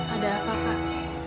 ada apa kak